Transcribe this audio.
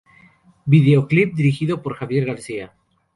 Videoclip dirigido por Javier García.